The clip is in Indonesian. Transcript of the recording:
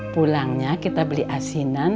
pulangnya kita beli asinan